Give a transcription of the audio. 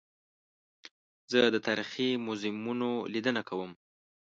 زه د تاریخي موزیمونو لیدنه کوم.